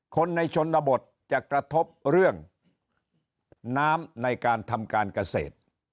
คนในชนบทจะกระทบเรื่องน้ำในการทำการเกษตร